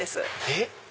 えっ？